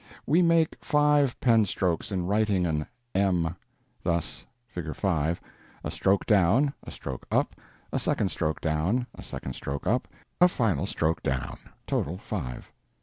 We make five pen strokes in writing an m. Thus: (Figure 5) a stroke down; a stroke up; a second stroke down; a second stroke up; a final stroke down. Total, five.